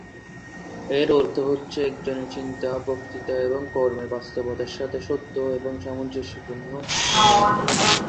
এর অর্থ হচ্ছে একজনের চিন্তা, বক্তৃতা এবং কর্মে বাস্তবতার সাথে সত্য এবং সামঞ্জস্যপূর্ণ হওয়া।